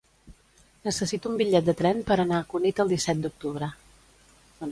Necessito un bitllet de tren per anar a Cunit el disset d'octubre.